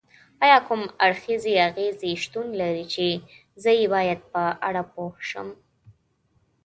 ایا کوم اړخیزې اغیزې شتون لري چې زه یې باید په اړه پوه شم؟